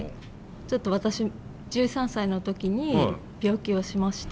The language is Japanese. ちょっと私１３歳の時に病気をしまして。